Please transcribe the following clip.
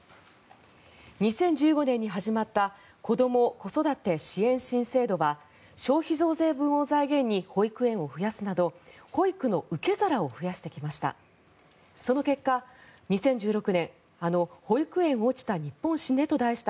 ２０１５年に始まった子ども・子育て支援新制度は消費増税分を財源に保育園を増やすなど保育の受け皿を増やしてきました。